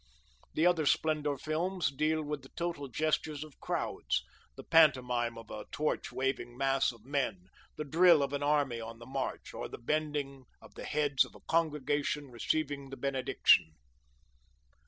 The other Splendor Films deal with the total gestures of crowds: the pantomime of a torch waving mass of men, the drill of an army on the march, or the bending of the heads of a congregation receiving the benediction.